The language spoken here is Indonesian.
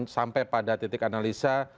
sampai pada titik analisa